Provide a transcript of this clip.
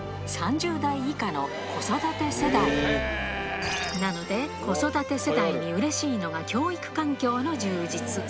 ちなみに子育て世代なので子育て世代にうれしいのが教育環境の充実